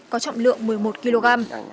có trọng lượng một mươi một kg